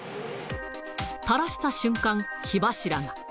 垂らした瞬間、火柱が。